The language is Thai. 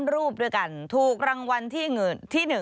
รูปด้วยกันถูกรางวัลที่๑